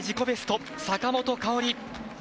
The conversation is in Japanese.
ベスト坂本花織。